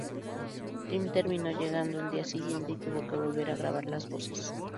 Jim terminó llegando el día siguiente y tuvo que volver a grabar las voces.